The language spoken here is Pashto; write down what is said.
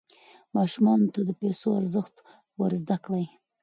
ماشومانو ته د پیسو ارزښت ور زده کړئ.